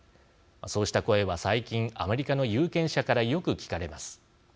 そうした声は最近アメリカの有権者からよく聞かれます。